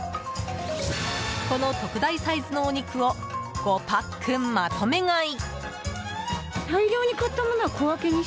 この特大サイズのお肉を５パックまとめ買い。